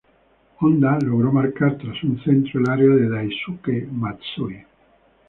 Honda logró marcar tras un centro al área de Daisuke Matsui.